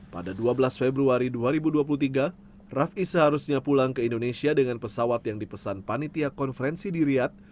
pada dua belas februari dua ribu dua puluh tiga raffi seharusnya pulang ke indonesia dengan pesawat yang dipesan panitia konferensi di riyad